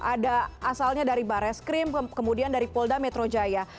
ada asalnya dari bareskrim kemudian dari polda metro jaya